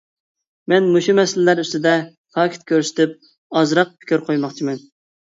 مەن مۇشۇ مەسىلىلەر ئۈستىدە پاكىت كۆرسىتىپ ئازراق پىكىر قويماقچىمەن.